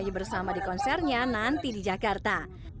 dan juga menyanyi bersama di konsernya nanti di jakarta